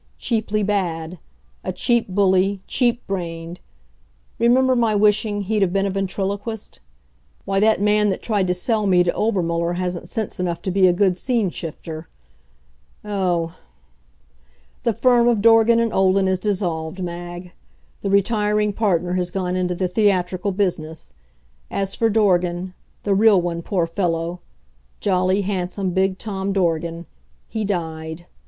Cheaply bad a cheap bully, cheap brained. Remember my wishing he'd have been a ventriloquist? Why, that man that tried to sell me to Obermuller hasn't sense enough to be a good scene shifter. Oh The firm of Dorgan & Olden is dissolved, Mag. The retiring partner has gone into the theatrical business. As for Dorgan the real one, poor fellow! jolly, handsome, big Tom Dorgan he died.